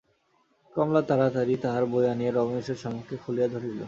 কমলা তাড়াতাড়ি তাহার বই আনিয়া রমেশের সম্মুখে খুলিয়া ধরিল।